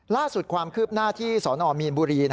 ล่าสุดความคืบหน้าที่สนมีนบุรี